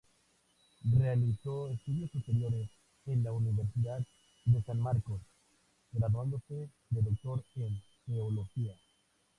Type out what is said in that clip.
Realizó estudios superiores en la Universidad de San Marcos, graduándose de doctor en Teología.